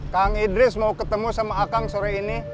kang idris mau ketemu sama akang sore ini